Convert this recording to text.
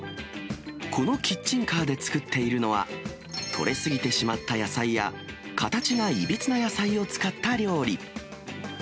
このキッチンカーで作っているのは、取れ過ぎてしまった野菜や、形がいびつな野菜を使った料理。